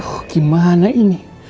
aduh gimana ini